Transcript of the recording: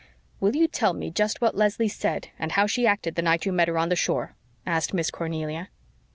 "Will you tell me just what Leslie said and how she acted the night you met her on the shore?" asked Miss Cornelia.